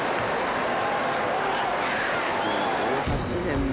もう１８年前。